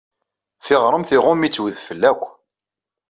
Tiɣremt iɣumm-itt wudfel akk.